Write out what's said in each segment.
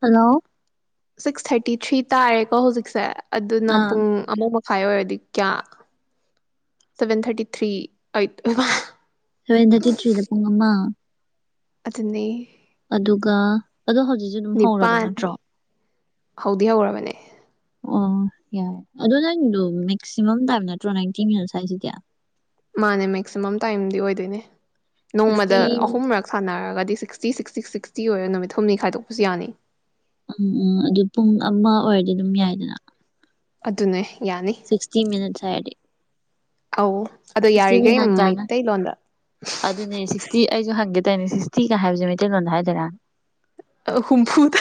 Hello six thirty three ꯇꯥꯔꯦꯀꯣ ꯍꯧꯖꯤꯛꯁꯦ ꯑꯗꯨꯅ ꯑꯥ ꯄꯨꯡ ꯑꯃ ꯃ ꯐꯥꯏꯚ ꯑꯣꯏꯔꯗꯤ ꯀꯌꯥ ꯁꯚꯦꯟ ꯊꯥꯔꯇꯤ ꯊ꯭ꯔꯤ ꯑꯩꯠ ꯑꯣꯏꯃ ꯁꯚꯦꯟ ꯊꯔꯇꯤ ꯊ꯭ꯔꯤꯗ ꯄꯨꯡ ꯑꯃ ꯑꯗꯨꯟꯅꯤ ꯑꯗꯨꯒ ꯑꯗꯣ ꯍꯧꯖꯤꯛꯁꯨ ꯑꯗꯨꯝ ꯍꯧꯔꯕ ꯅꯤꯄꯥꯟ ꯅꯠꯇ꯭ꯔꯣ ꯍꯧꯗꯤ ꯍꯧꯔꯕꯅꯦ ꯑ ꯌꯥꯏ ꯑꯗꯣ ꯅꯪꯗꯣ ꯃꯦꯛꯁꯤꯃꯝ ꯇꯥꯏꯝ ꯅꯠꯇ꯭ꯔꯣ ꯅꯥ꯭ꯏꯟꯇꯤ ꯃꯤꯅꯠꯁ ꯍꯥꯏꯁꯤꯗꯤ ꯃꯥꯅꯦ ꯃꯦꯛꯁꯤꯃꯝ ꯇꯥꯏꯝꯗꯤ ꯑꯣꯏꯗꯣꯏꯅꯦ ꯁꯤꯛꯁꯇꯤ ꯅꯣꯡꯃꯗ ꯑꯍꯨꯝꯔꯛ ꯁꯥꯟꯅꯔꯒꯗꯤ ꯁꯤꯁ ꯁꯤꯛꯁꯇꯤ ꯁꯤꯛꯁꯇꯤ ꯁꯤꯛꯁꯇꯤ ꯑꯣꯏꯔꯣ ꯅꯨꯃꯤꯠ ꯍꯨꯝꯅꯤ ꯈꯥꯏꯗꯣꯛꯄꯁꯨ ꯌꯥꯅꯤ ꯎꯝ ꯎꯝ ꯑꯗꯨ ꯄꯨꯡ ꯑꯃ ꯑꯣꯏꯔꯗꯤ ꯑꯗꯨꯝ ꯌꯥꯏꯗꯅ ꯑꯗꯨꯅꯦ ꯁꯤꯛꯁꯇꯤ ꯃꯤꯃꯠ ꯍꯥꯏꯔꯗꯤ ꯑꯣ ꯑꯗꯣ ꯁꯤꯛꯁꯇꯤ ꯌꯥꯔꯤꯒꯩ ꯃꯤꯅꯠ ꯀꯥꯏꯅ ꯃꯩꯇꯩꯂꯣꯟꯗ ꯑꯗꯨꯅꯦ ꯁꯤꯛꯁꯇꯤ ꯑꯩꯖꯨ ꯍꯪꯒꯦ ꯇꯧꯅꯦ ꯁꯤꯛꯁꯇꯤ ꯀꯥ ꯍꯥꯏꯖꯦ ꯃꯩꯇꯩꯂꯣꯟꯗ ꯍꯥꯏꯗꯣꯏꯔꯅ ꯍꯨꯝꯐꯨꯗ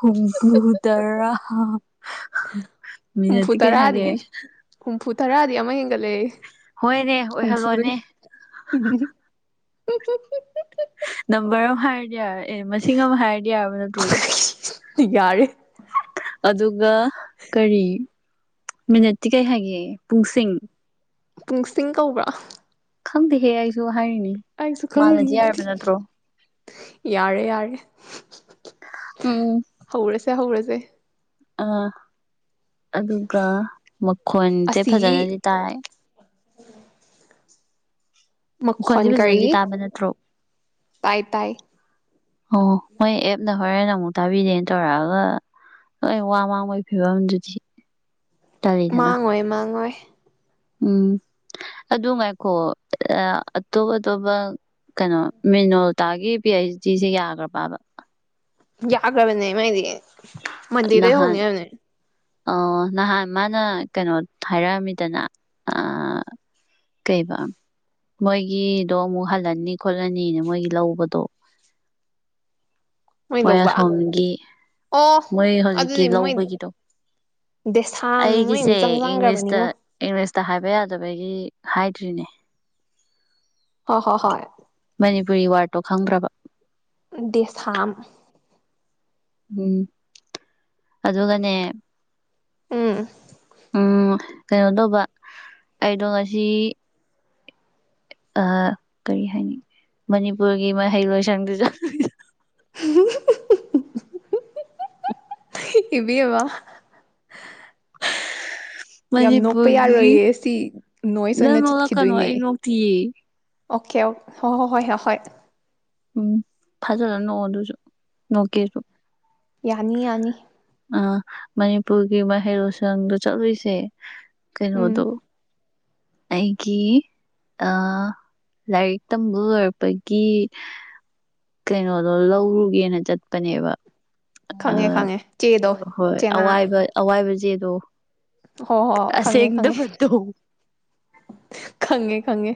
ꯍꯨꯝꯐꯨ ꯇꯔꯥ ꯍꯥ ꯍꯥ ꯍꯨꯝꯐꯨ ꯇꯔꯥꯗꯤ ꯍꯨꯝꯐꯨꯠ ꯇꯔꯥꯗꯤ ꯑꯃ ꯍꯦꯟꯒꯠꯂꯦ ꯍꯣꯏꯅꯦ ꯍꯨꯝꯐꯨꯗꯒꯤ ꯑꯣꯏꯍꯜꯂꯣꯅꯦ ꯅꯝꯕꯔ ꯑꯃ ꯍꯥꯏꯔꯗꯤ ꯌꯥꯔꯦ ꯑꯦ ꯃꯁꯤꯡ ꯑꯃ ꯍꯥꯏꯔꯗꯤ ꯌꯥꯔꯕ ꯅꯠꯇ꯭ꯔꯣ ꯌꯥꯔꯦ ꯑꯗꯨꯒ ꯀꯔꯤ ꯃꯤꯅꯠꯇꯤ ꯀꯩ ꯍꯥꯏꯒꯦ ꯄꯨꯡꯁꯤꯡ ꯄꯨꯡꯁꯤꯡ ꯀꯧꯕ꯭ꯔꯣ ꯑ ꯈꯪꯗꯦꯍꯦ ꯑꯩꯖꯨ ꯍꯥꯏꯅꯤ ꯈꯪꯗꯦ ꯃꯥꯜꯂꯗꯤ ꯑꯗꯨꯗꯤ ꯌꯥꯔꯕ ꯅꯠꯇ꯭ꯔꯣ ꯌꯥꯔꯦ ꯌꯥꯔꯦ ꯍꯧꯔꯁꯦ ꯍꯧꯔ ꯇꯦ ꯑꯥ ꯑꯗꯨꯒ ꯃꯈꯣꯟꯖꯦ ꯑꯁꯤꯒꯤ ꯐꯖꯅꯗꯤ ꯇꯥꯏ ꯀꯣꯟꯁꯦ ꯃꯈꯣꯟ ꯐꯖꯅꯗꯤ ꯀꯔꯤ ꯇꯥꯕ ꯅꯠꯇ꯭ꯔꯣ ꯇꯥꯏ ꯇꯥꯏ ꯑꯣ ꯃꯣꯏ ꯑꯦꯞꯅ ꯍꯣꯔꯦꯟꯦꯦꯟ ꯑꯃꯨꯛ ꯇꯥꯕꯤꯗꯦꯅ ꯇꯧꯔꯛꯑꯒ ꯑꯩ ꯋꯥ ꯃꯥꯡꯕꯒꯤ ꯐꯤꯕꯝꯗꯨꯗꯤ ꯇꯜꯂꯤꯗꯅ ꯃꯥꯡꯉꯣꯏ ꯃꯥꯡꯉꯣꯏ ꯎꯝ ꯑꯗꯨ ꯉꯥꯏꯈꯣ ꯑꯇꯣꯞ ꯑꯇꯣꯞꯄ ꯀꯩꯅꯣ ꯃꯤꯅꯣꯜꯇꯥꯒꯤ ꯄꯤ ꯑꯩꯩꯆ ꯗꯤꯁꯦ ꯌꯥꯒ꯭ꯔꯕꯕ ꯌꯥꯈꯔꯥꯕꯅꯦ ꯃꯥꯏꯗꯤ ꯃꯗꯤꯗ ꯅꯍꯥꯟ ꯍꯧꯒ ꯍꯧꯅꯦ ꯑ ꯅꯍꯥꯟ ꯃꯥꯅ ꯀꯩꯅꯣ ꯍꯥꯏꯔꯛꯑꯝꯃꯤꯗꯅ ꯀꯩꯔꯤꯕ ꯃꯣꯏꯒꯤꯗꯣ ꯑꯃꯨꯛ ꯍꯜꯂꯅꯤ ꯈꯣꯠꯂꯅꯤꯅ ꯃꯣꯏꯒꯤ ꯂꯧꯕꯗꯣ ꯃꯣꯏ ꯑꯁꯣꯝꯒꯤ ꯑꯣ ꯃꯣꯏ ꯍꯧꯖꯤꯛꯀꯤ ꯑꯗꯨꯗꯤ ꯃꯣꯏ ꯂꯧꯕꯒꯤꯗꯣ ꯗꯦꯁꯥꯝꯅ ꯃꯣꯏ ꯑꯩꯒꯤꯁꯦ ꯃꯤꯆꯪ ꯏꯪꯂꯤꯁꯇ ꯆꯪꯈ꯭ꯔꯕꯅꯤꯉꯣ ꯏꯪ ꯇ ꯍꯥꯏꯕ ꯌꯥꯗꯕꯒꯤ ꯍꯥꯏꯗ꯭ꯔꯤꯅꯦ ꯍꯣꯏ ꯍꯣꯏ ꯍꯣꯏ ꯃꯅꯤꯄꯨꯔꯤ ꯋꯥꯔ ꯇꯣ ꯈꯪꯗ꯭ꯔꯕ ꯗꯦꯁꯝ ꯎꯝ ꯑꯗꯨꯒꯅꯦ ꯑꯝ ꯎꯝ ꯀꯩꯅꯣ ꯇꯧꯕ ꯑꯩꯗꯣ ꯉꯁꯤ ꯀꯔꯤ ꯍꯥꯏꯅꯤ ꯃꯅꯤꯄꯨꯔꯒꯤ ꯃꯍꯩ ꯂꯣꯏꯁꯪꯗꯨꯗ ꯏꯕꯤ ꯋꯥ ꯌꯥꯝ ꯅꯣꯛꯄ ꯃꯅꯤꯄꯨꯔꯒꯤ ꯌꯥꯔꯣꯏꯌꯦ ꯁꯤ ꯅꯣꯏꯁ ꯅꯪ ꯑꯣꯏꯅ ꯅꯣꯛꯂꯛꯀꯅꯣ ꯆꯠꯈꯤꯗꯣꯏꯅꯦ ꯑꯩ ꯅꯣꯛꯇꯤꯌꯦ ꯑꯣꯀꯦ ꯍꯣꯏ ꯍꯣ ꯍꯣꯏ ꯍꯣꯏ ꯍꯣꯏ ꯎꯝ ꯐꯖꯅ ꯅꯣꯛꯑꯣ ꯑꯗꯨꯁꯨ ꯅꯣꯛꯀꯦꯁꯨ ꯌꯥꯅꯤ ꯌꯥꯅꯤ ꯑ ꯃꯅꯤꯄꯨꯔꯒꯤ ꯃꯍꯩꯔꯣꯏꯁꯪꯗ ꯆꯠꯂꯨꯏꯁꯦ ꯎꯝ ꯀꯩꯅꯣꯗꯣ ꯑꯩꯒꯤ ꯂꯥꯏꯔꯤꯛ ꯇꯝꯕ ꯂꯣꯏꯔꯛꯄꯒꯤ ꯀꯩꯅꯣꯗꯣ ꯂꯧꯔꯨꯒꯦꯅ ꯆꯠꯄꯅꯦꯕ ꯑ ꯈꯪꯉꯦ ꯈꯪꯉꯦ ꯆꯦꯗꯣ ꯍꯣꯏ ꯆꯦꯅꯥ ꯑꯋꯥꯕ ꯑꯋꯥꯏ ꯖꯦꯗꯣ ꯍꯣꯏ ꯍꯣꯏ ꯈꯪꯉꯦ ꯈꯪꯉꯦ ꯑꯁꯦꯡꯗꯕ ꯇꯧ ꯈꯪꯉꯦ ꯈꯪꯉꯦ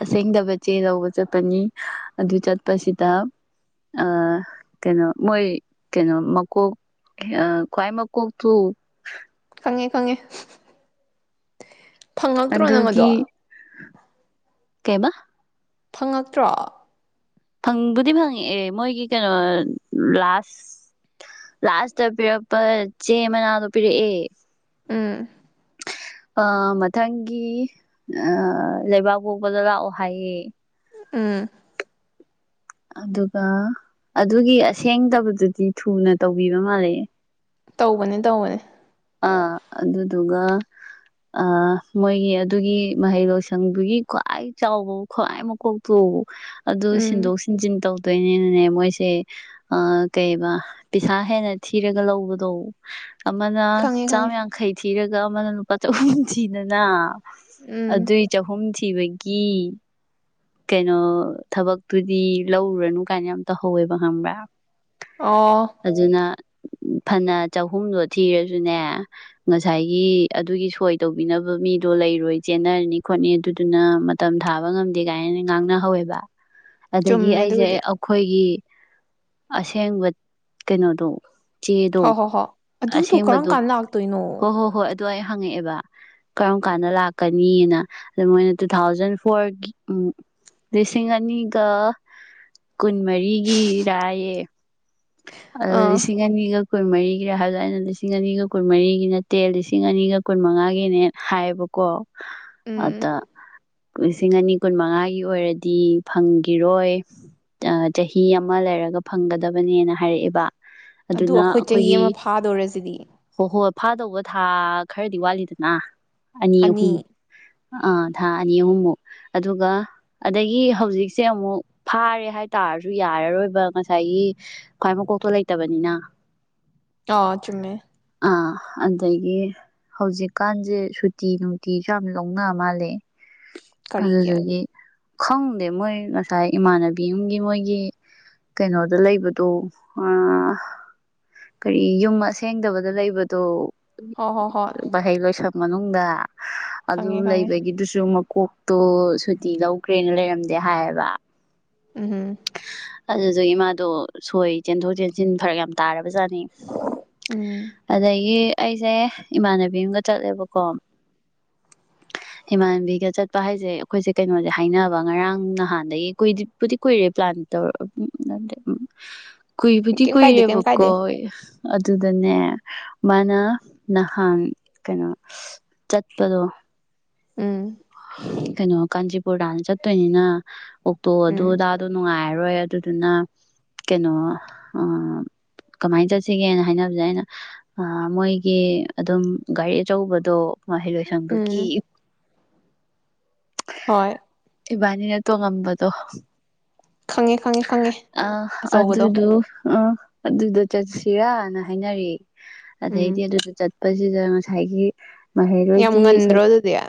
ꯑꯁꯦꯡꯗꯕ ꯆꯦꯗ ꯆꯠꯄꯅꯤ ꯑꯗꯨ ꯆꯠꯄꯁꯤꯗ ꯑ ꯀꯩꯅꯣ ꯃꯣꯏ ꯀꯩꯅꯣ ꯃꯀꯣꯛ ꯀꯥꯏ ꯃꯀꯣꯛ ꯇ ꯈꯪꯉꯦ ꯈꯪꯉꯦ ꯐꯪꯉꯛꯇ꯭ꯔꯣ ꯅꯪ ꯑꯗꯣ ꯀꯩꯃ ꯐꯪꯉꯛꯇ꯭ꯔꯣ ꯐꯪꯕꯨꯗꯤ ꯐꯪꯉꯛꯑꯦ ꯃꯣꯏꯒꯤ ꯀꯩꯅꯣ ꯂꯥꯁ ꯂꯥꯁꯇ ꯄꯤꯔꯛꯄ ꯆꯦ ꯃꯅꯥꯗꯣ ꯄꯤꯔꯛꯑꯦ ꯎꯝ ꯑ ꯃꯊꯪꯒꯤ ꯂꯩꯕꯥꯛꯄꯣꯛꯄꯗ ꯂꯥꯛꯑꯣ ꯍꯥꯏꯌꯦ ꯎꯝ ꯑꯗꯨꯒ ꯑꯗꯨꯒꯤ ꯑꯁꯦꯡꯗꯕꯗꯨꯗꯤ ꯊꯨꯅ ꯇꯧꯕꯤꯕ ꯃꯥꯜꯂꯦꯦ ꯇꯧꯕꯅꯤ ꯇꯧꯕꯅꯤ ꯑ ꯑꯗꯨꯗꯨꯒ ꯑ ꯃꯣꯏꯒꯤ ꯑꯗꯨꯒꯤ ꯃꯍꯩ ꯂꯣꯏꯁꯪꯗꯨꯒꯤ ꯈ꯭ꯋꯥꯏ ꯆꯥꯎꯕ ꯈ꯭ꯋꯥꯏ ꯃꯀꯣꯛꯇꯨꯎꯕ ꯑꯗꯨ ꯎꯝ ꯁꯤꯟꯗꯣꯛ ꯁꯤꯟꯖꯤꯟ ꯇꯧ [inaudible] ꯈꯪꯉꯦ ꯆꯥꯝ ꯈꯪꯉꯦ ꯌꯥꯡꯈꯩ ꯊꯤ ꯊꯤꯔꯒ ꯑꯃꯅ ꯂꯨꯄꯥ ꯆꯍꯨꯝ ꯊꯤꯗꯅ ꯎꯝ ꯑꯗꯨꯏ ꯆꯍꯨꯝ ꯊꯤꯕꯒꯤ ꯀꯩꯅꯣ ꯊꯕꯛꯇꯨꯗꯤ ꯂꯧꯔꯨꯔꯅꯨ ꯀꯥꯏꯅ ꯌꯥꯝ ꯇꯧꯍꯧꯋꯦꯕ ꯈꯪꯕ꯭ꯔꯥ ꯑꯣ ꯑꯗꯨꯅ ꯐꯅ ꯆꯍꯨꯝꯗꯣ ꯊꯤꯔꯁꯨ ꯑꯗꯨꯅꯦ ꯉꯁꯥꯏꯒꯤ ꯑꯗꯨꯒꯤ ꯁꯣꯏ ꯇꯧꯕꯤꯅꯕ ꯃꯤꯗꯣ ꯂꯩꯔꯣꯏ ꯆꯦꯟꯅꯔꯅꯤ ꯈꯣꯠꯅꯤ ꯑꯗꯨꯗꯨꯅ ꯃꯇꯝ ꯊꯥꯕ ꯉꯝꯗꯦ ꯀꯥꯏꯅ ꯉꯥꯡꯅꯍꯧꯋꯦꯕ ꯑꯗꯒꯤ ꯆꯨꯝꯃꯦ ꯑꯩꯁꯦ ꯑꯗꯨꯕꯨꯗꯤ ꯑꯩꯈꯣꯏꯒꯤ ꯑꯁꯦꯡꯕ ꯀꯩꯅꯣꯗꯣ ꯆꯦꯗꯣ ꯍꯣ ꯍꯣ ꯍꯣ ꯑꯗꯨꯗꯣ ꯀꯔꯝ ꯑꯁꯦꯡꯕꯗꯣ ꯀꯥꯟꯅ ꯂꯥꯛꯇꯣꯏꯅꯣ ꯍꯣꯏ ꯍꯣꯏ ꯍꯣꯏ ꯑꯗꯣ ꯑꯩ ꯍꯪꯉꯛꯑꯦꯕ ꯀꯔꯝ ꯀꯥꯟꯗ ꯂꯥꯛꯀꯅꯤꯅ ꯑꯗꯨ ꯃꯣꯏꯅ ꯇꯨ ꯊꯥꯎꯖꯟ ꯐꯣꯔꯒꯤ ꯎꯝ ꯂꯤꯁꯤꯡ ꯑꯅꯤꯒ ꯀꯨꯟꯃꯔꯤꯒꯤ ꯔꯥꯏꯌꯦ ꯑ ꯑꯥ ꯂꯤꯁꯤꯡ ꯑꯅꯤꯒ ꯀꯨꯟꯃꯔꯤꯒꯤꯔ ꯍꯥꯏꯕꯗꯣ ꯑꯩꯅ ꯂꯤꯁꯤꯡ ꯑꯅꯤꯒ ꯀꯨꯟꯃꯔꯤꯒꯤ ꯅꯠꯇꯦ ꯂꯤꯁꯤꯡ ꯑꯅꯤꯒ ꯀꯨꯟꯃꯉꯥꯒꯤꯅꯦ ꯍꯥꯏꯕꯀꯣ ꯎꯝ ꯑꯗ ꯂꯤꯁꯤꯡ ꯑꯅꯤ ꯀꯨꯟꯃꯉꯥꯒꯤ ꯑꯣꯏꯔꯗꯤ ꯐꯪꯈꯤꯔꯣꯏ ꯆꯍꯤ ꯑꯃ ꯂꯩꯔꯒ ꯐꯪꯒꯗꯕ ꯃꯅꯦꯅ ꯍꯥꯏꯔꯦꯕ ꯑꯗꯨ ꯑꯩꯈꯣꯏ ꯆꯍꯤ ꯑꯃ ꯐꯥꯗꯧꯔꯁꯤꯗꯤ ꯍꯣ ꯍꯣꯏ ꯐꯥꯗꯧꯕ ꯊꯥ ꯈꯔꯗꯤ ꯋꯥꯠꯂꯤꯗꯅ ꯑꯅꯤ ꯑꯍꯨꯝ ꯑꯥ ꯊꯥ ꯑꯅꯤ ꯑꯍꯨꯝꯃꯨꯛ ꯑꯗꯨꯒ ꯑꯗꯒꯤ ꯍꯧꯖꯤꯛꯁꯦ ꯑꯃꯨꯛ ꯐꯥꯔꯦ ꯍꯥꯏꯇꯥꯔꯁꯨ ꯌꯥꯔꯔꯣꯏꯕ ꯉꯁꯥꯏꯒꯤ ꯈ꯭ꯋꯥꯏ ꯃꯀꯣꯛꯇꯣ ꯂꯩꯇꯕꯅꯤꯅ [inaudible] ꯑ ꯑꯗꯒꯤ ꯍꯧꯖꯤꯛꯀꯥꯟꯁꯦ ꯁꯨꯇꯤ ꯅꯨꯡꯇꯤꯁꯨ ꯌꯥꯝ ꯂꯧꯅ ꯃꯥꯜꯂꯦ ꯀꯔꯤꯒꯤ ꯑꯗꯨꯗꯒꯤ ꯈꯪꯗꯦ ꯃꯣꯏ ꯉꯁꯥꯏ ꯏꯃꯥꯟꯅꯕꯤꯝꯒꯤ ꯃꯣꯏꯒꯤ ꯀꯩꯅꯣꯗ ꯂꯩꯕ ꯑꯗꯣ ꯑꯥ ꯀꯔꯤ ꯌꯨꯝ ꯑꯁꯦꯡꯗꯕꯗ ꯂꯩꯕꯗꯣ ꯍꯣ ꯍꯣ ꯍꯣꯏ ꯚꯍꯩ ꯂꯣꯏꯁꯪ ꯃꯅꯨꯡꯗ ꯑꯗꯨ ꯈꯪꯉꯦ ꯈꯪꯉꯦ ꯂꯩꯕꯒꯤꯗꯨꯁꯨꯃꯨꯛ ꯀꯣꯛꯇꯣ ꯁꯨꯇꯤ ꯂꯧꯈ꯭ꯔꯦꯅ ꯂꯩꯔꯝꯗꯦ ꯍꯥꯏꯌꯦꯕ ꯎꯝ ꯑꯗꯨꯗꯨꯒꯤ ꯃꯥꯗꯣ ꯁꯣꯏ ꯆꯦꯟꯊꯣꯛ ꯆꯦꯟꯁꯤꯟ ꯐꯔꯛ ꯌꯥꯝ ꯇꯥꯔꯕꯖꯥꯠꯅꯤ ꯎꯝ ꯑꯗꯒꯤ ꯑꯩꯁꯦ ꯏꯃꯥꯟꯅꯕꯤ ꯑꯃꯒ ꯆꯠꯂꯦꯕꯀꯣ ꯏꯃꯥꯟꯅꯕꯤꯒ ꯆꯠꯄ ꯍꯥꯏꯁꯦ ꯑꯩꯈꯣꯏꯁꯦ ꯀꯩꯅꯣꯁꯦ ꯍꯥꯏꯅꯕ ꯉꯔꯥꯡ ꯅꯍꯥꯟꯗꯒꯤ ꯀꯨꯏꯕꯨꯗꯤ꯫ ꯀꯨꯏꯔꯦ ꯄ꯭ꯂꯥꯟ ꯇꯧꯔ ꯎ ꯅꯇꯦ ꯎ꯫ ꯀꯨꯏꯕꯨꯗꯤ ꯀꯩꯝ ꯀꯥꯏꯗꯦ ꯀꯨꯏꯔꯦꯕ ꯀꯩꯝ ꯀꯥꯏꯗꯦ ꯀꯣꯏ꯫ ꯑꯗꯨꯗꯅꯦ ꯃꯥꯅ ꯅꯍꯥꯟ ꯀꯩꯅꯣ ꯆꯠꯄꯗꯣ꯫ ꯎꯝ ꯀꯩꯅꯣ꯫ ꯀꯥꯟꯆꯤꯄꯨꯔꯇꯥꯅ ꯆꯠꯇꯣꯏꯅꯤꯅ꯫ ꯑꯣꯛꯇꯣ ꯑꯗꯨ ꯎꯝ ꯑꯗꯥ ꯅꯨꯡꯉꯥꯏꯔꯔꯣꯏ ꯑꯗꯨꯗꯨꯅ ꯀꯩꯅꯣ ꯀꯃꯥꯏꯅ ꯆꯠꯁꯤꯒꯦꯅ ꯍꯥꯏꯅꯕꯁꯦ ꯑꯩꯅ ꯃꯣꯏꯒꯤ ꯑꯗꯨꯝ ꯒꯥꯔꯤ ꯑꯆꯧꯕꯗꯣ꯫ ꯃꯥ ꯍ ꯂ ꯁꯪꯗꯣ ꯎꯝ ꯀ ꯍꯣꯏ ꯏꯕꯥꯅꯤ ꯅ ꯇꯣ ꯉꯝꯕꯗꯣ ꯈꯪꯉꯦ ꯈꯪꯉꯦ ꯈꯪꯉꯦ ꯑ ꯑꯆꯧꯕꯗꯣ ꯑꯗꯨꯗꯨ ꯑ ꯑꯗꯨꯗ ꯆꯠꯁꯤꯔꯥꯅ ꯍꯥꯏꯅꯔꯤ ꯑꯗꯗꯤ ꯎꯝ ꯑꯗꯨ ꯆꯠ ꯑꯁꯤꯗ ꯉꯁꯥꯏꯒꯤ ꯃꯍꯩꯔꯣꯏꯒꯤ ꯌꯥꯝꯟꯗꯣ ꯑꯗꯨꯗꯤꯌꯥ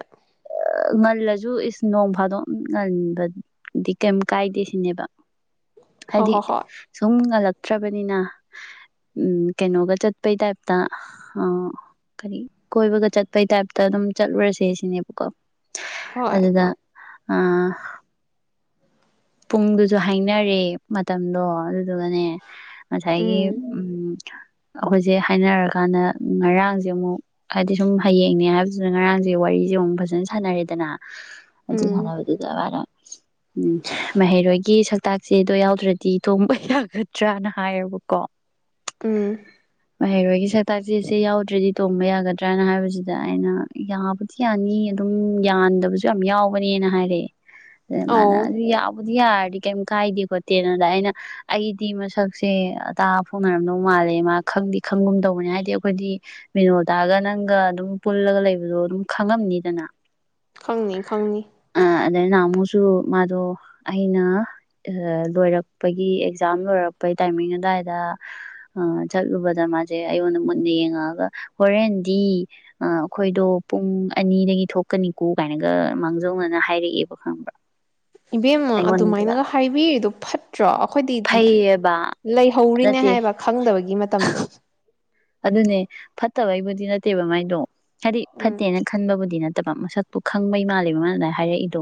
ꯉꯜꯂꯁꯨ ꯏꯁ ꯅꯣꯡ ꯐꯥꯗꯣꯛ ꯉꯟꯕꯗꯤ ꯀꯩꯝ ꯀꯥꯏꯗꯦ ꯁꯤꯅꯦꯕ ꯍꯣꯏ ꯍꯥꯏꯗꯤ ꯍꯣꯏ ꯍꯣꯏ ꯁꯨꯝꯃꯂ ꯆꯠꯇ꯭ꯔꯕꯅꯤꯅ ꯎꯝ ꯀꯩꯅꯣꯒ ꯆꯠꯄꯩ ꯇꯥꯏꯞꯇ ꯀꯔꯤ ꯀꯣꯏꯕꯒ ꯆꯠꯄꯩ ꯇꯥꯏꯞꯇ ꯑꯗꯨꯝ ꯆꯠꯂꯨꯔꯁꯦ ꯁꯤꯅꯦꯕꯀꯣ ꯍꯣꯏ ꯑꯗꯨꯗ ꯑ ꯄꯨꯡꯗꯨꯁꯨ ꯍꯥꯏꯅꯔꯦ ꯃꯣ ꯑꯗꯨꯒꯅꯦ ꯉꯁꯥꯏꯒꯤ ꯎꯝ ꯎ ꯑꯩꯈꯣꯏꯁꯦ ꯍꯥꯏꯅꯔꯀꯥꯟꯗ ꯉꯔꯥꯡꯁꯦ ꯑꯃꯨꯛ ꯍꯥꯏꯗꯤ ꯁꯨꯝ ꯍꯌꯦꯡꯅꯦ ꯍꯥꯏꯕꯁꯤꯗ ꯉꯔꯥꯡꯁꯦ ꯋꯥꯔꯤꯁꯦ ꯑꯃꯨꯛ ꯐꯖꯅ ꯁꯥꯟꯅꯔꯦꯗꯅ ꯑꯗꯨ ꯎꯝ ꯀꯔꯕꯗꯨꯗ ꯍꯥꯏꯔ ꯎꯝ ꯃꯍꯩꯔꯣꯏꯒꯤ ꯁꯛꯇꯥꯛꯁ ꯆꯦꯗꯣ ꯌꯥꯎꯗ꯭ꯔꯗꯤ ꯊꯣꯡꯕ ꯌꯥꯒꯗ꯭ꯔꯥꯅ ꯍꯥꯏꯔꯕꯀꯣ ꯎꯝ ꯃꯍꯩꯔꯣꯏꯒꯤ ꯁꯛꯇꯥꯛꯁꯦꯁꯦ ꯌꯥꯎꯗ꯭ꯔꯗꯤ ꯇꯣꯡꯕ ꯌꯥꯒꯗ꯭ꯔꯅ ꯍꯥꯏꯕꯁꯤꯗ ꯑꯩꯅ ꯌꯥꯕꯨꯗꯤ ꯌꯥꯅꯤ ꯑꯗꯨꯝ ꯌꯥꯟꯗꯕꯁꯨ ꯌꯥꯝ ꯌꯥꯎꯒꯅꯦꯅ ꯍꯥꯏꯔꯛꯑꯦ ꯑꯧ ꯃꯅ ꯗꯤꯔꯥꯏꯗ ꯈꯣꯠꯇꯦꯅꯗ ꯑꯩꯅ ꯑꯩꯗꯤ ꯃꯁꯛꯁꯦ ꯑꯇꯥ ꯐꯣꯡꯅꯔꯝꯗꯧ ꯃꯥꯜꯂꯦ ꯃꯥ ꯈꯪꯗꯤ ꯈꯪꯒꯨꯝ ꯇꯧꯕꯅꯦ ꯍꯥꯏꯗꯤ ꯑꯩꯈꯣꯏꯗꯤ ꯃꯤꯕꯤꯅꯣꯗꯥꯒ ꯅꯪꯒ ꯑꯗꯨꯝ ꯄꯨꯜꯂꯒ ꯂꯩꯕꯗꯣ ꯑꯗꯨꯝ ꯈꯪꯉꯝꯅꯤꯗꯅ ꯈꯪꯅꯤ ꯈꯪꯅꯤ ꯑꯗꯨꯅ ꯑꯃꯨꯛꯁꯨ ꯃꯥꯗꯣ ꯑꯩꯅ ꯂꯣꯏꯔꯛꯄꯒꯤ ꯑꯦꯛꯖꯥꯝ ꯂꯣꯏꯔꯛꯄꯩ ꯇꯥꯏꯃꯤꯡ ꯑꯗꯨꯏꯗ ꯆꯠꯂꯨꯕꯗ ꯃꯥꯁꯦ ꯑꯩꯉꯣꯟꯗ ꯃꯨꯠꯟꯅ ꯌꯦꯡꯉꯛꯑꯒ ꯍꯣꯔꯦꯟꯗꯤ ꯑꯩꯈꯣꯏꯗꯣ ꯄꯨꯡ ꯑꯅꯤꯗꯒꯤ ꯊꯣꯛꯀꯅꯤꯀꯣ ꯀꯥꯏꯅꯒ ꯃꯥꯡꯖꯧꯅꯅ ꯍꯥꯏꯔꯛꯑꯦꯕ ꯈꯪꯕ꯭ꯔꯥ ꯏꯕꯦꯝꯃꯥ ꯑꯩꯉꯣꯟꯗ ꯑꯗꯨꯃꯥꯏꯅꯒ ꯍꯥꯏꯕꯤ ꯔꯤꯗꯨ ꯐꯠꯇ꯭ꯔꯣ ꯑꯩꯈꯣꯏꯗꯤ ꯐꯩꯌꯦꯕ ꯂꯩꯍꯧꯔꯤꯅꯦ ꯅꯠꯇꯦ ꯍꯥꯏꯕ ꯈꯪꯗꯕꯒꯤ ꯃꯇꯝꯗꯣ ꯑꯗꯨꯅꯦ ꯐꯠꯇꯕꯩꯕꯨꯗꯤ ꯅꯠꯇꯦꯕ ꯃꯥꯏꯗꯣ ꯍꯥꯏꯗꯤ ꯎꯝ ꯐꯠꯇꯦꯅ ꯈꯟꯕꯕꯨꯗꯤ ꯅꯠꯇꯦ ꯅꯠꯇꯕ ꯃꯁꯛꯇꯣ ꯈꯪꯕꯩ ꯃꯥꯜꯂꯦꯕꯥ ꯃꯥꯅ ꯑꯗꯨꯃꯥꯏ ꯍꯥꯏꯔꯛꯏꯗꯣ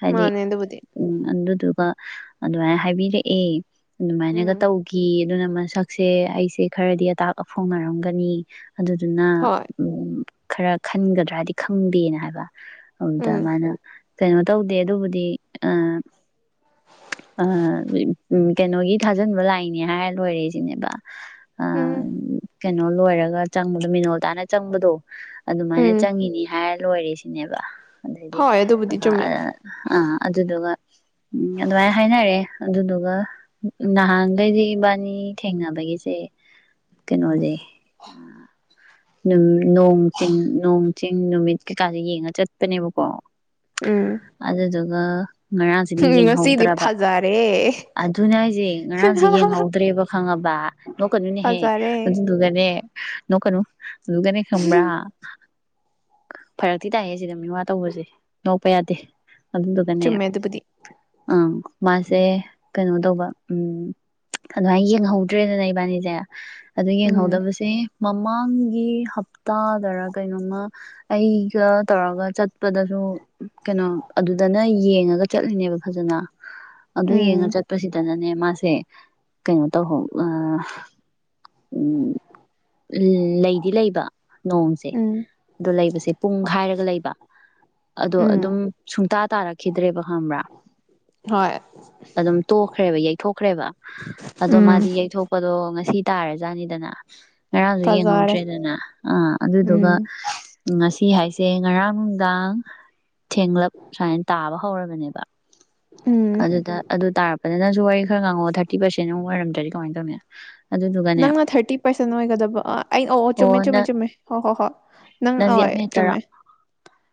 ꯍꯥꯏꯗꯤ ꯃꯥꯅꯦ ꯑꯗꯨꯕꯨꯗꯤ ꯎꯝ ꯑꯗꯨꯗꯨꯒ ꯑꯗꯨꯃꯥꯏꯅ ꯍꯥꯏꯕꯤꯔꯛꯑꯦ ꯑꯗꯨꯃꯥꯏꯅꯒ ꯎꯝ ꯇꯧꯒꯤ ꯑꯗꯨꯅ ꯃꯁꯛꯁꯦ ꯑꯩꯁꯦ ꯈꯔꯗꯤ ꯑꯇꯥꯛ ꯑꯐꯣꯡ ꯅꯔꯝꯒꯅꯤ ꯑꯗꯨꯗꯨꯅ ꯍꯣꯏ ꯎꯝ ꯈꯔ ꯈꯟꯒꯗ꯭ꯔꯗꯤ ꯈꯪꯗꯦꯅ ꯍꯥꯏꯕ ꯎꯝ ꯑꯗꯨꯗ ꯃꯥꯅ ꯀꯩꯅꯣ ꯇꯧꯗꯦ ꯑꯗꯨꯕꯨꯗꯤ ꯑ ꯎꯝ ꯀꯩꯅꯣꯒꯤ ꯊꯥꯖꯤꯟꯕ ꯂꯥꯛꯏꯅꯦ ꯍꯥꯏꯔ ꯂꯣꯏꯔꯦ ꯁꯤꯅꯦꯕ ꯑ ꯎꯝ ꯀꯩꯅꯣ ꯂꯣꯏꯔꯒ ꯆꯪꯕꯗꯣ ꯃꯤꯅꯣꯜ ꯇꯥꯅ ꯆꯪꯕꯗꯣ ꯑꯗꯨꯃꯥꯏꯅ ꯎꯝ ꯆꯪꯉꯤꯅꯤ ꯍꯥꯏꯔꯒ ꯂꯣꯏꯔꯦꯁꯤꯅꯦꯕ ꯑꯗꯒꯤ ꯍꯣꯏ ꯑꯗꯨꯕꯨꯗꯤ ꯆꯨꯝꯃꯦ ꯑ ꯑꯗꯨꯗꯨꯒ ꯎꯝ ꯑꯗꯨꯃꯥꯏꯅ ꯍꯥꯏꯅꯔꯦ ꯑꯗꯨꯗꯨꯒ ꯅꯍꯥꯟꯒꯩꯗꯤ ꯏꯕꯥꯅꯤ ꯊꯦꯡꯅꯕꯒꯤꯁꯦ ꯀꯩꯅꯣꯁꯦ ꯅꯣꯡ ꯆꯤꯡ ꯅꯣꯡ ꯆꯤꯡ ꯅꯨꯃꯤꯠ ꯀꯩꯀꯥꯁꯦ ꯌꯦꯡꯉꯥ ꯆꯠꯄꯅꯦꯕꯀꯣ ꯎꯝ ꯑꯗꯨꯗꯨ ꯒ [unintelligible] ꯉꯔꯥꯡꯁꯤꯅ ꯉꯁꯤꯗꯤ ꯌꯦꯡꯍꯧꯗ꯭ꯔꯕ ꯐꯖꯔꯦ ꯑꯗꯨꯅꯦ ꯍꯥꯏꯁꯦ ꯉꯔꯥꯡꯁꯦ ꯌꯦꯡꯍꯧꯗ꯭ꯔꯦꯕ ꯈꯪꯉꯥꯕ ꯅꯣꯛꯀꯅꯨ ꯅꯥꯍꯦ ꯐꯖꯔꯦ ꯑꯗꯨꯗꯨꯒꯥꯅꯦ ꯅꯣꯛꯀꯥꯅꯨ ꯑꯗꯨꯒꯅꯦ ꯈꯪꯕꯔ ꯐꯔꯛꯇꯤ ꯇꯥꯏꯍꯦ ꯁꯤꯗ ꯃꯤꯋꯥ ꯇꯧꯕꯁꯦ ꯅꯣꯛꯄꯥ ꯌꯥꯗꯦ ꯑꯗꯨ ꯗꯨ ꯒꯥꯅꯦ ꯆꯨꯝꯃꯦ ꯑꯗꯨꯕꯨꯗꯤ ꯑ ꯃꯥꯁꯦ ꯀꯩꯅꯣ ꯇꯧꯕ ꯎꯝ ꯑꯗꯨꯃꯥꯏꯅ ꯌꯦꯡꯍꯧꯗ꯭ꯔꯦꯗꯅꯦ ꯏꯕꯥꯅꯤꯁꯦ ꯑꯗꯨ ꯎꯝ ꯌꯦꯡꯍꯧꯗꯕꯁꯦ ꯃꯃꯥꯡꯒꯤ ꯍꯞꯇꯥꯗꯔ ꯀꯩꯅꯣꯝꯃꯥ ꯑꯩꯒ ꯇꯧꯔꯒ ꯆꯠꯄꯗꯁꯨ ꯀꯩꯅꯣ ꯑꯗꯨꯗꯅ ꯌꯦꯡꯉꯒ ꯆꯠꯂꯤꯅꯦꯕ ꯐꯖꯅ ꯑꯗꯨ ꯌꯦꯡꯉꯥ ꯎꯝ ꯆꯠꯄꯁꯤꯗꯅꯅꯦ ꯃꯥꯁꯦ ꯀꯩꯅꯣ ꯇꯧꯍꯧ ꯑ ꯎ ꯂꯩꯗꯤ ꯂꯩꯕ ꯅꯣꯡꯁꯦ ꯎꯝ ꯑꯗꯣ ꯂꯩꯕꯁꯦ ꯄꯨꯡ ꯍꯥꯏꯔꯒ ꯂꯩꯕ ꯑꯗꯣ ꯎꯝ ꯑꯗꯨꯝ ꯁꯨꯡꯇꯥ ꯇꯥꯔꯛꯈꯤꯗ꯭ꯔꯦꯕ ꯈꯪꯕꯔ ꯍꯣꯏ ꯑꯗꯨꯝ ꯇꯣꯛꯈ꯭ꯔꯦꯕ ꯌꯩꯊꯣꯛꯈ꯭ꯔꯦꯕ ꯑꯗꯣ ꯎꯝ ꯃꯥꯗꯤ ꯌꯩꯊꯣꯛꯄꯗꯣ ꯉ ꯇꯥꯔꯖꯥꯠꯅꯤꯗꯅ ꯉꯔꯥꯡꯁꯨ ꯐꯖꯔꯦ ꯌꯦꯡꯍꯧꯗ꯭ꯔꯦꯗꯅ ꯑꯥ ꯑꯗꯨꯗꯨꯒ ꯎꯝ ꯉꯁꯤ ꯍꯥꯏꯁꯦ ꯉꯔꯥꯡ ꯅꯨꯡꯗꯥꯡ ꯊꯦꯡꯂꯞ ꯁꯨꯃꯥꯏꯅ ꯇꯥꯕ ꯍꯧꯔꯕꯅꯦꯕ ꯎꯝ ꯑꯗꯨꯗ ꯑꯗꯨ ꯇꯥꯔꯄ ꯑꯗꯨꯗꯅ ꯅꯪꯁꯨ ꯋꯥꯔꯤ ꯉꯥꯡꯉꯣ ꯊꯥꯔꯇꯤ ꯄꯔꯁꯦꯟ ꯑꯃꯨꯛ ꯑꯣꯏꯔꯝꯗ꯭ꯔꯗꯤ ꯀꯃꯥꯏꯅ ꯇꯧꯅꯤ ꯑꯗꯨꯗꯨꯒꯅꯦ ꯅꯪꯅ ꯊꯥꯔꯇꯤ ꯄꯥꯔꯁꯦꯟ ꯑꯣꯏꯒꯗꯕꯥ ꯑꯩ ꯑꯧ ꯆꯨꯝꯃꯦ ꯑꯣ ꯆꯨꯝꯃꯦ ꯅꯪ ꯆꯨꯝꯃꯦ ꯍꯣꯏ ꯍꯣꯏ ꯍꯣꯏ ꯅꯪ ꯅꯪꯗꯤ ꯑꯣ ꯑꯃ ꯍꯦꯛꯇꯔꯥ ꯆꯨꯝꯃꯦ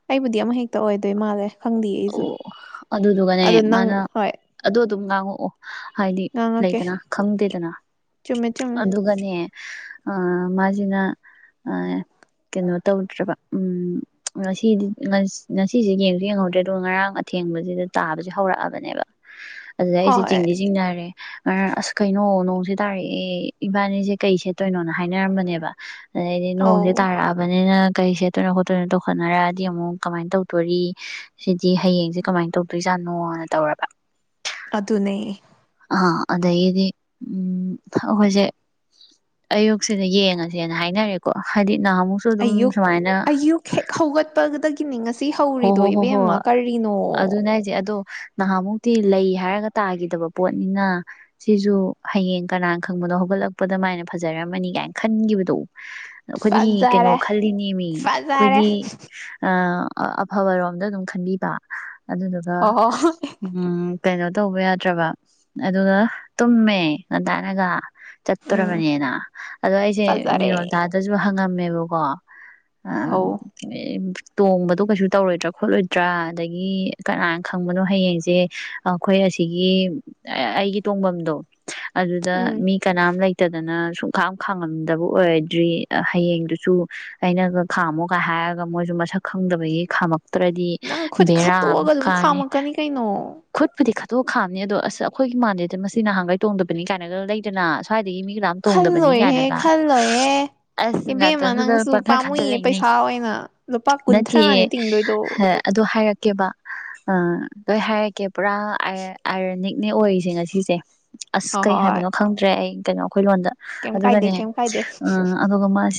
ꯑꯩꯕꯨꯗꯤ ꯑꯃ ꯍꯦꯛꯇ ꯑꯣꯏꯗꯣꯏ ꯃꯥꯜꯂꯦ ꯈꯪꯗꯦ ꯑꯩꯁꯨ ꯑꯣ ꯑꯗꯨꯗꯨꯒꯅꯦ ꯑꯗꯣ ꯅꯪ ꯃꯥꯅ ꯍꯣꯏ ꯑꯗꯨ ꯑꯗꯨꯝ ꯉꯥꯡꯉꯛꯑꯣ ꯍꯥꯏꯗꯤ ꯉꯥꯡꯉꯛꯀꯦ ꯂꯩꯗꯅ ꯈꯪꯗꯦꯗꯅ ꯆꯨꯝꯃꯦ ꯆꯨꯝꯃꯦ ꯑꯗꯨꯒꯅꯦ ꯃꯥꯁꯤꯅ ꯀꯩꯅꯣ ꯇꯧꯗ꯭ꯔꯕ ꯉꯁꯤꯗꯤ ꯉꯁꯤꯁꯦ ꯌꯦꯡꯁꯨ ꯌꯦꯡꯍꯧꯗ꯭ꯔꯦ ꯑꯗꯨ ꯉꯔꯥꯡ ꯑꯊꯦꯡꯕꯁꯤꯗ ꯇꯥꯕꯁꯤ ꯍꯧꯔꯛꯑꯕꯅꯦꯕ ꯑꯗꯨꯗ ꯑꯩꯁꯦ ꯍꯣꯏ ꯆꯤꯡꯗꯤ ꯆꯤꯡꯅꯔꯦ ꯃꯔ ꯑꯁ ꯀꯩꯅꯣ ꯍꯧꯖꯤ ꯇꯥꯔꯛꯑꯦ ꯏꯕꯥꯅꯤꯁꯦ ꯀꯩ ꯁꯦꯠꯇꯣꯏꯅꯣꯅ ꯍꯥꯏꯅꯔꯝꯕꯅꯦꯕ ꯑꯗꯩꯗꯤ ꯑꯧ ꯅꯣꯡꯁꯦ ꯇꯥꯔꯛꯑꯕꯅꯤꯅ ꯀꯩ ꯁꯦꯠꯇꯣꯏꯅꯣ ꯈꯣꯠꯇꯣꯏꯅꯣ ꯇꯧꯈꯠꯅꯔꯛꯑꯗꯤ ꯑꯃꯨꯛ ꯀꯃꯥꯏꯅ ꯇꯧꯗꯣꯔꯤ ꯁꯤꯗꯤ ꯍꯌꯦꯡꯁꯦ ꯀꯃꯥꯏꯅ ꯇꯧꯗꯣꯏꯖꯥꯠꯅꯣꯅ ꯇꯧꯔꯕ ꯑꯗꯨꯅꯦ ꯑꯗꯒꯤꯗꯤ ꯑꯈꯣꯏꯁꯦ ꯑꯌꯨꯛꯁꯤꯗ ꯌꯦꯡꯉꯁꯦꯅ ꯍꯥꯏꯅꯔꯦꯀꯣ ꯍꯥꯏꯗꯤ ꯅꯍꯥꯟꯃꯨꯛꯁꯨ ꯑꯗꯨꯝ ꯑꯌꯨꯛ ꯁꯨꯃꯥꯏꯅ ꯑꯌꯨꯛ ꯍꯦꯛ ꯍꯧꯒꯠꯄꯗꯒꯤ ꯅꯤꯡꯉ ꯁꯤ ꯍꯣ ꯍꯧꯔꯤꯗꯣ ꯍꯣ ꯍꯣ ꯍꯣ ꯏꯕꯦꯝꯃ ꯀꯔꯤꯅꯣ ꯑꯗꯨꯅ ꯍꯥꯏꯁꯦ ꯑꯗꯣ ꯅꯍꯥꯟꯃꯨꯛꯇꯤ ꯂꯩ ꯍꯥꯏꯔꯒ ꯇꯥꯒꯤꯗꯕ ꯄꯣꯠꯅꯤꯅ ꯁꯤꯁꯨ ꯍꯌꯦꯡ ꯀꯅꯥꯅ ꯈꯪꯕꯅꯣ ꯍꯧꯒꯠꯂꯛꯄꯗ ꯃꯥꯏꯅ ꯐꯖꯔꯝꯃꯅꯤ ꯀꯥꯏꯅ ꯈꯟꯈꯤꯕꯗꯣ ꯑꯩꯈꯣꯏꯗꯤ ꯀꯩꯅꯣ ꯐꯖꯔꯦ ꯈꯜꯂꯤꯅꯦꯃꯤ ꯐꯖꯔꯦ ꯑꯩꯈꯣꯏꯗꯤ ꯑ ꯑꯐꯕꯔꯣꯝꯗ ꯑꯗꯨꯝ ꯈꯟꯕꯤꯕ ꯑꯗꯨꯗꯨꯒ ꯍꯣ ꯍꯣ ꯎꯝ ꯀꯩꯅꯣ ꯇꯧꯕ ꯌꯥꯗ꯭ꯔꯕ ꯑꯗꯨꯒ ꯇꯨꯝꯃꯦ ꯉꯟꯇꯥꯅꯒ ꯎꯝ ꯆꯠꯇꯣꯔꯕꯅꯦꯅ ꯑꯗꯣ ꯑꯩꯁꯦ ꯐꯖꯔꯦ ꯃꯤꯅꯣꯝꯗꯥꯗꯁꯨ ꯍꯪꯉꯝ ꯃꯦꯕꯀꯣ ꯑ ꯑꯧ ꯇꯣꯡꯕꯗꯣ ꯀꯩꯁꯨ ꯇꯧꯔꯣꯏꯗ꯭ꯔꯥ ꯈꯣꯠꯂꯣꯏꯗ꯭ꯔꯥ ꯑꯗꯒꯤ ꯀꯅꯥꯅ ꯈꯪꯕꯅꯣ ꯍꯌꯦꯡꯁꯦ ꯑꯩꯈꯣꯏ ꯑꯁꯤꯒꯤ ꯑꯩꯒꯤ ꯇꯣꯡꯐꯝꯗꯣ ꯑꯗꯨꯗ ꯎꯝ ꯃꯤ ꯀꯅꯥꯝ ꯂꯩꯇꯗꯅ ꯁꯨꯡꯈꯥꯡ ꯈꯥꯡꯉꯝꯗꯕ ꯑꯣꯏꯔꯗ꯭ꯔꯤ ꯍꯌꯦꯡꯗꯨꯁꯨ ꯑꯩꯅꯒ ꯈꯥꯝꯃꯨꯒ ꯍꯥꯏꯔꯒ ꯃꯣꯏꯁꯨ ꯃꯁꯛ ꯈꯪꯗꯕꯒꯤ ꯈꯝ ꯠꯇ꯭ꯔꯗꯤ ꯅꯪ ꯈꯨꯠ ꯕꯦꯔꯥ ꯈꯠꯇꯣꯛꯑꯒ ꯑꯗꯨꯝ ꯀꯥꯅꯤ ꯈꯥꯝꯃꯛꯀꯅꯤ ꯀꯩꯅꯣ ꯈꯨꯠꯄꯨꯗꯤ ꯈꯠ ꯑꯗꯣ ꯈꯥꯝꯅꯦ ꯑꯗꯣ ꯑꯁ ꯑꯩꯈꯣꯏꯒꯤ ꯃꯥꯟꯗꯦꯗ ꯃꯁꯤ ꯅꯍꯥꯟꯒꯩ ꯇꯣꯡꯗꯕꯅꯤ ꯀꯥꯏꯅꯗ ꯂꯩꯗꯅ ꯁ꯭ꯋꯥꯏꯗꯒꯤ ꯃꯤ ꯀꯅꯥꯝ ꯇꯣꯡꯗꯕꯅꯤ ꯈꯜꯂꯣꯏꯍꯦ ꯀꯥꯏꯅꯒ ꯈꯜꯂꯣꯏꯍꯦ ꯑꯁ ꯏꯕꯦꯝꯃ ꯉꯥꯛꯇꯪꯗꯨꯗ ꯅꯪꯁꯨ ꯄꯪꯈꯟ ꯄꯥꯝꯃꯨꯏꯌꯦ ꯈꯟꯖꯜꯂꯛꯏꯅꯦ ꯄꯩꯁꯥ ꯑꯣꯏꯅ ꯂꯨꯄꯥ ꯀꯨꯟꯊ꯭ꯔꯥꯅꯤ ꯠ ꯍꯦ ꯑꯗꯨ ꯍꯥꯏꯔꯛꯦ ꯀꯦ ꯑ ꯕꯥ ꯂꯣꯏꯍꯥꯏꯔꯀꯦ ꯄꯨ ꯑꯔꯥ ꯑꯥꯏꯔꯅꯤ ꯅꯦ ꯑꯣꯏꯔꯤꯁꯦ ꯉꯁꯤꯁꯦ ꯑꯁ ꯍꯣꯏ ꯀꯩ ꯍꯣꯏ ꯍꯣꯏ ꯍꯥꯏꯕꯅꯣ ꯈꯪꯗ꯭ꯔꯦ ꯑꯩ ꯀꯩꯅꯣ ꯑꯩꯈꯣꯏ ꯂꯣꯗ ꯀꯩꯝ ꯀꯥꯏꯗꯦ ꯑꯗꯨꯒꯅꯦ ꯀꯩꯝ ꯀꯥꯏꯗꯦ ꯎ ꯑꯗꯨꯒ ꯃꯁꯤ